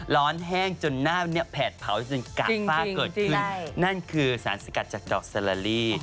แห้งจนหน้าวันนี้แผดเผาจนกากฟ้าเกิดขึ้นนั่นคือสารสกัดจากดอกซาลาลี